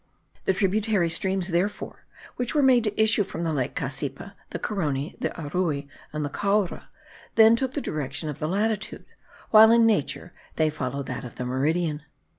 The tributary streams, therefore, which were made to issue from the lake Cassipa, the Carony, the Arui, and the Caura, then took the direction of the latitude, while in nature they follow that of a meridian.